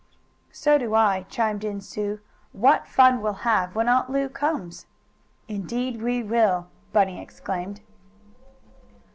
"So do I," chimed in Sue. "What fun we'll have when Aunt Lu comes." "Indeed we will!" Bunny exclaimed.